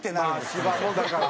芝もだから。